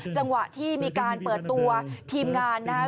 จังหวะที่มีการเปิดตัวทีมงานนะครับ